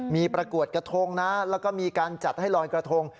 มีประกวดกระทงนะแล้วก็มีการจัดให้ลอยกระทง